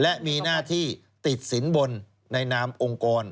และมีหน้าที่ติดสินบนในนามองค์กร